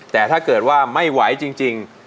แต่ถ้าเกิดว่าไม่ไหวจริง